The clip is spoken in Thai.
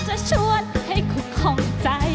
ฮุยฮาฮุยฮารอบนี้ดูทางเวที